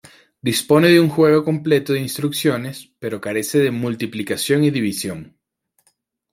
Dispone de un juego completo de instrucciones, pero carece de multiplicación y división.